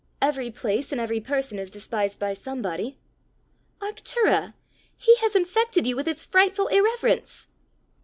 Every place and every person is despised by somebody!" "Arctura! He has infected you with his frightful irreverence!"